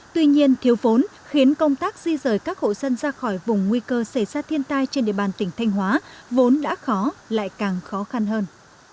tuy nhiên thiếu vốn khiến công tác di rời các hộ dân ra khỏi vùng nguy cơ xảy ra thiên tai trên địa bàn tỉnh thanh hóa vốn đã khó lại càng khó khăn hơn